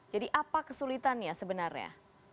jadi apa kesulitannya sebenarnya